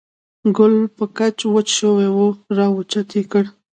ګل په کې وچ شوی و، را اوچت یې کړ.